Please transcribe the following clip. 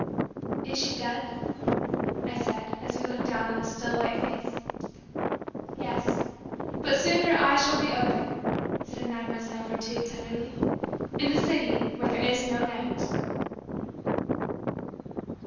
"Is she dead?" I said, as we looked down on the still white face. "Her eyes are open now," said Mlle. Virtud tenderly, "in the City where there is no night!"